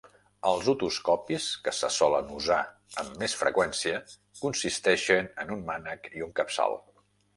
Els otoscopis que se solen usar amb més freqüència consisteixen en un mànec i un capçal.